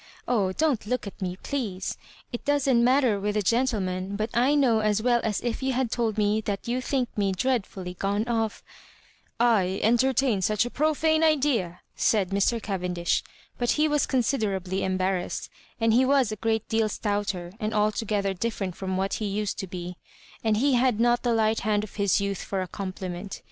Oh 1 don't look at me, please. It doesn't matter with a gentleman, but I know as well as if you had told me that you think me dreadfully gone off ""/ entertain such a profane idea I" said Mr. Cavendish ; but he was considerably embarrassed, and he was a great deal stouter, and altogether dififerent from what he used to be, and he had not the light hand of his youth for a compliment.